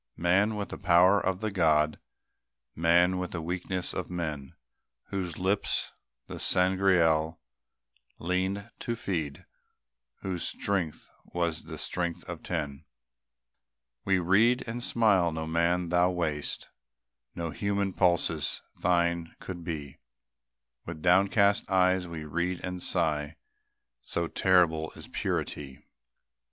Man with the power of the God, Man with the weaknesses of men, Whose lips the Sangreal leaned to feed, "Whose strength was the strength of ten," We read and smile; no man thou wast; No human pulses thine could be; With downcast eyes we read and sigh; So terrible is purity!